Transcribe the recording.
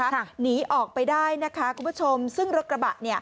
หนีออกไปได้นะคะคุณผู้ชมซึ่งรถกระบะเนี่ย